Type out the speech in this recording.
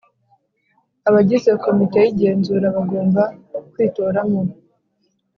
Abagize Komite y Igenzura bagomba kwitoramo